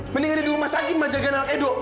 mendingan dia di rumah sakit mak jaga anak edo